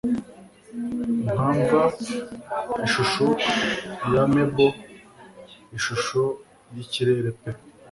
Nka mva ishusho ya marble ishusho yikirere pe